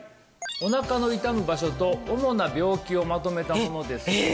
お腹の痛む場所と主な病気をまとめたものですえ